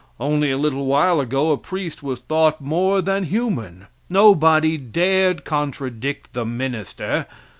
Only a little while ago a priest was thought more than human. Nobody dared contradict the minister.